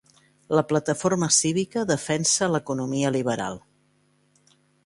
La Plataforma Cívica defensa l'economia liberal.